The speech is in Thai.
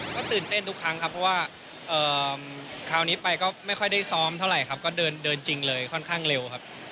ก็ตื่นเต้นทุกครั้งครับเพราะว่าคราวนี้ไปก็ไม่ค่อยได้ซ้อมเท่าไหร่ครับก็เดินจริงเลยค่อนข้างเร็วครับ